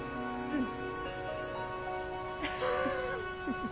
うん。